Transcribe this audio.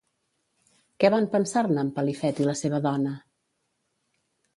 Què van pensar-ne en Pelifet i la seva dona?